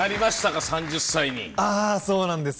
あそうなんです。